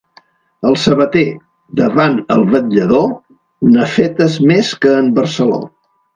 El sabater, davant el vetllador, n'ha fetes més que en Barceló.